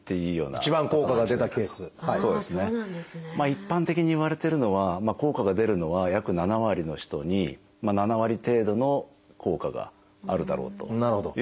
一般的にいわれてるのは効果が出るのは約７割の人に７割程度の効果があるだろうというふうにいわれてます。